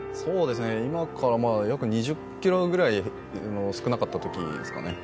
今から約２０ｋｇくらい少なかった時ですかね。